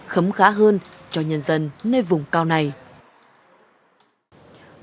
khấm khá hơn cho nhân dân nơi vùng cao này